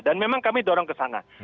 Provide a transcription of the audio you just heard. dan memang kami dorong kesana